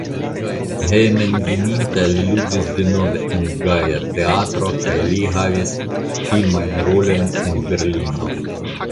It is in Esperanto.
Hejmenveninta li ludis denove en Gaja Teatro kaj li havis filmajn rolojn en Berlino.